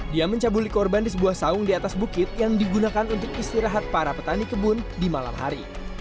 dia mencabuli korban di sebuah saung di atas bukit yang digunakan untuk istirahat para petani kebun di malam hari